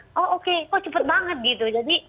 hah oh oke kok cepet banget gitu